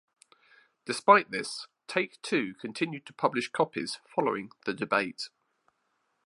Despite this, Take-Two continued to publish copies following the debate.